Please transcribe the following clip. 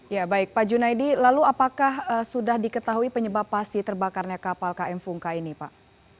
ya baik pak junaidi lalu apakah sudah diketahui penyebab pasti terbakarnya kapal km fungka ini pak